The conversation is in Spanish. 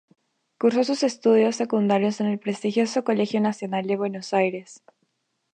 Cursó sus estudios secundarios en el prestigioso Colegio Nacional de Buenos Aires.